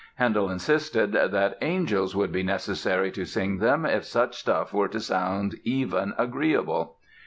Handel insisted that "angels would be necessary to sing them if such stuff were to sound even agreeable."